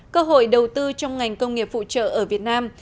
cơ hội đầu tư trong ngành công nghiệp phụ trợ ở việt nam